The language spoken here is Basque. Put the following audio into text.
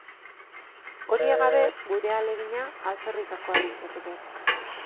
Horiek gabe, gure ahalegina alferrikakoa litzateke.